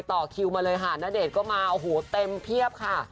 ต่อคิวมาเลยค่ะณเดชก็มาเต็มเพียบค่ะ